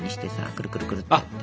くるくるくるって。